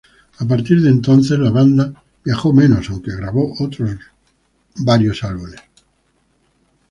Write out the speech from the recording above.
A partir de entonces la banda viajó menos, aunque grabó otros varios álbumes.